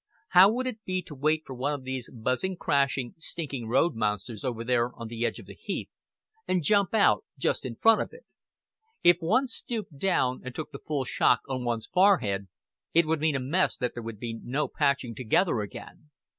How would it be to wait for one of these buzzing, crashing, stinking road monsters over there on the edge of the heath, and jump out just in front of it? If one stooped down and took the full shock on one's forehead, it would mean a mess that there would be no patching together again.